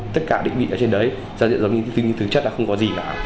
tất cả định vị ở trên đấy giao diện giống như thứ chất là không có gì cả